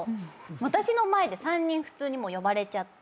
私の前で３人普通に呼ばれちゃって。